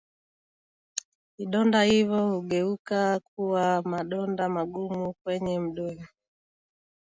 Vidonda hivyo hugeuka kuwa madonda magumu kwenye mdomo